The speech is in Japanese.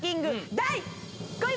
第５位は。